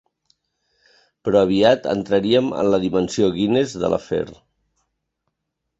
Però aviat entraríem en la dimensió Guinness de l'afer.